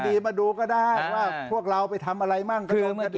นี่ฉันเข้าใจว่าจริงไม่รู้